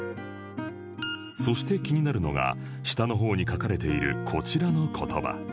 そして気になるのが下の方に書かれているこちらの言葉